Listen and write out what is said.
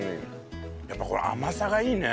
やっぱこれ甘さがいいね。